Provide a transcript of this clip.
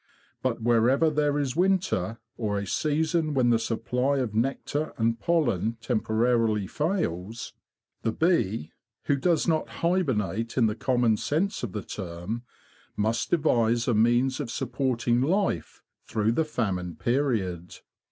But wherever there is winter, or a season when the supply of nectar and pollen temporarily fails, the 110 THE BEE MASTER OF WARRILOW bee, who does not hibernate in the common sense of the term, must devise a means of supporting life through the famine period.